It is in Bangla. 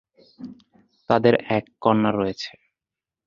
তাদের এক কন্যা রয়েছে।